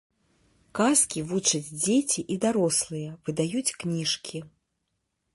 Казкі вучаць дзеці і дарослыя, выдаюць кніжкі.